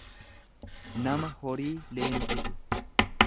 nama horii leenjisu.